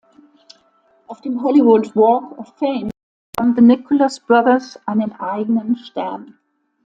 Auf dem Hollywood Walk of Fame haben "The Nicholas Brothers" einen eigenen Stern.